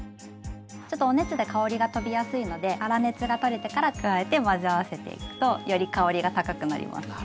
ちょっとお熱で香りがとびやすいので粗熱が取れてから加えて混ぜ合わせていくとより香りが高くなります。